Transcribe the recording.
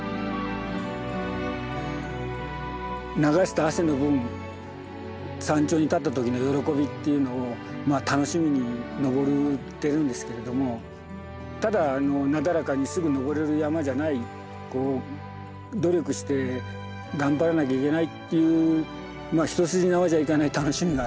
流した汗の分山頂に立った時の喜びっていうのを楽しみに登ってるんですけれどもただなだらかにすぐ登れる山じゃない努力して頑張らなきゃいけないっていう一筋縄じゃいかない楽しみがありますね。